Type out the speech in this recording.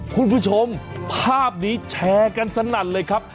คุณผู้ชมภาพนี้แชร์กันสนั่นเลยครับ